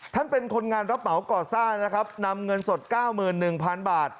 เป็นคนงานรับเหมาก่อสร้างนะครับนำเงินสด๙๑๐๐๐บาท